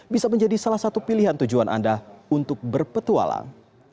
bisa menjadi salah satu pilihan tujuan anda untuk berpetualang